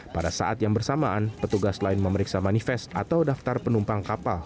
pada saat yang bersamaan petugas lain memeriksa manifest atau daftar penumpang kapal